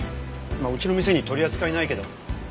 まあうちの店に取り扱いないけど。